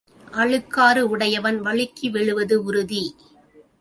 அழுக்காறு உடையவன் வழுக்கி விழுவது உறுதி.